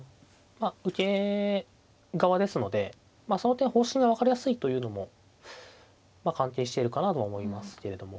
受け側ですのでその点方針が分かりやすいというのも関係しているかなとは思いますけれども。